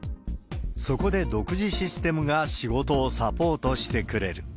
そこで独自システムが仕事をサポートしてくれる。